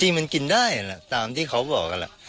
มันกินได้แหละตามที่เขาบอกกันแหละ